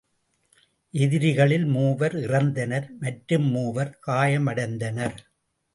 எதிரிகளில் மூவர் இறந்தனர் மற்றும் மூவர் காயமடைந்தனர்.